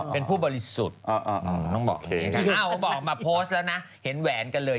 อ๋อเป็นงาชาบน์ขึ้นสะเบียดเลย